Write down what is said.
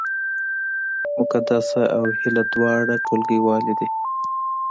مقدسه او هیله دواړه ټولګیوالې دي